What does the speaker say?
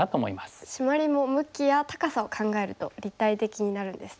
シマリも向きや高さを考えると立体的になるんですね。